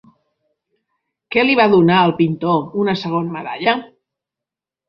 Què li va donar al pintor una segona medalla?